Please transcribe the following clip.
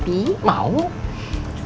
ini ada apa